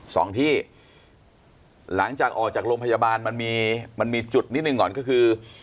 สองที่หลังจากออกจากโรงพยาบาลมันมีมันมีจุดนิดหนึ่งก่อนก็คือ